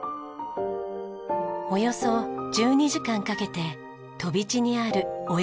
およそ１２時間かけて飛び地にあるオエクシ港へ。